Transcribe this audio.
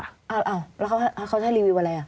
อ้าวแล้วเขาใช้รีวิวอะไรอ่ะ